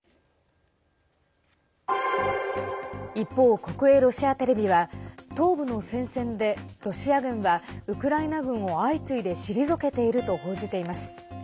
一方、国営ロシアテレビは東部の戦線で、ロシア軍はウクライナ軍を相次いで退けていると報じています。